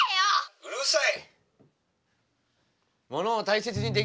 うるさい！